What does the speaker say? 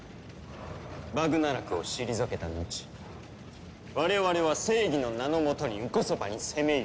バグナラクを退けたのち我々は正義の名の下にンコソパに攻め入る。